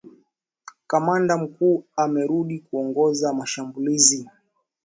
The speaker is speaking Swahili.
Kamanda mkuu amerudi kuongoza mashambulizi